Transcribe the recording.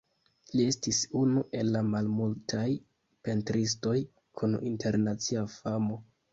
Li estis unu el la malmultaj pentristoj kun internacia famo.